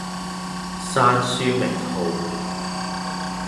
閂書名號